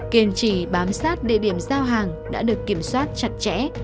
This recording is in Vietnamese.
kiềm chỉ bám sát địa điểm giao hàng đã được kiểm soát chặt chẽ